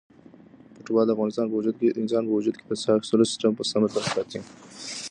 فوټبال د انسان په وجود کې د ساه اخیستلو سیسټم په سمه ساتي.